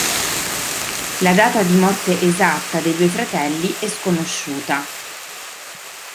La data di morte esatta dei due fratelli è sconosciuta.